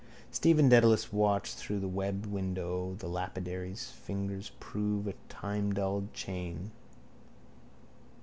Stephen Dedalus watched through the webbed window the lapidary's fingers prove a timedulled chain.